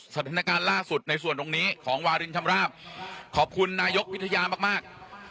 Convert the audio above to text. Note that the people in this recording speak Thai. สถานการณ์ล่าสุดในส่วนตรงนี้ของวารินชำราบขอบคุณนายกวิทยามากมาก